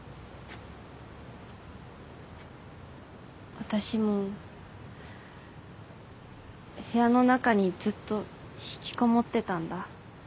私も部屋の中にずっと引きこもってたんだ